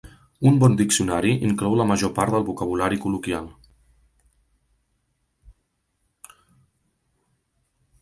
Un bon diccionari inclou la major part del vocabulari col·loquial.